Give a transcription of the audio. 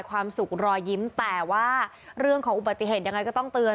ความสุขรอยยิ้มแต่ว่าเรื่องของอุบัติเหตุยังไงก็ต้องเตือน